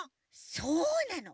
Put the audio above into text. そうなの。